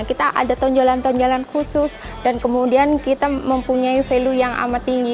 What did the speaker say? kita ada tonjolan tonjolan khusus dan kemudian kita mempunyai value yang amat tinggi